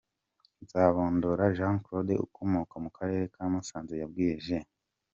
Nzabandora Jean Claude ukomoka mu Karere ka Musanze yabwiye Gen.